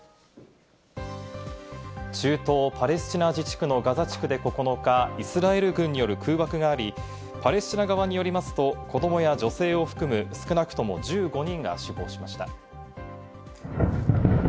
中東パレスチナ自治区のガザ地区で９日、イスラエル軍による空爆があり、パレスチナ側によりますと子供や女性も含む、少なくとも１５人が死亡しました。